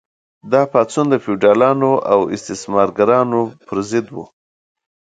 دا پاڅون د فیوډالانو او استثمارګرانو پر ضد و.